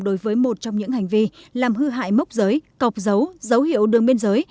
đối với một trong những hành vi làm hư hại mốc giới cọc dấu dấu hiệu đường biên giới